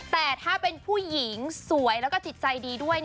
แต่ถ้าเป็นผู้หญิงสวยแล้วก็จิตใจดีด้วย